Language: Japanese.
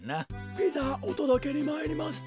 ピザおとどけにまいりました。